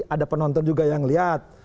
ada penonton juga yang lihat